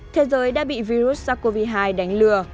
thế giới đã bị virus sars cov hai đánh lừa